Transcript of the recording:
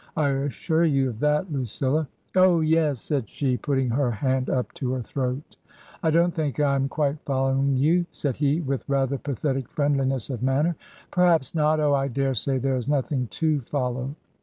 I assure you of that, Lucilla." " Oh, yes !" said she, putting her hand up to her throat. " I don't think I am quite following you," said he, with rather pathetic friendliness of manner. "Perhaps not. Oh! I daresay there is nothing to follow."